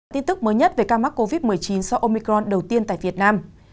tin tức mới nhất về ca mắc covid một mươi chín do omicron đầu tiên tại việt nam